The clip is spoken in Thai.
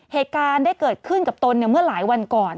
เหตุการณ์ได้เกิดขึ้นกับตนเมื่อหลายวันก่อน